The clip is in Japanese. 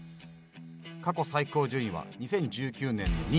過去最高順位は２０１９年の２位。